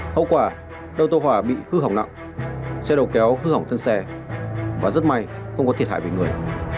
hậu quả đầu tàu hỏa bị hư hỏng nặng xe đầu kéo hư hỏng thân xe và rất may không có thiệt hại về người